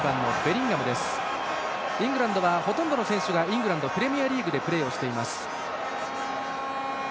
イングランドの選手はほとんどの選手がイングランドプレミアリーグでプレーしています。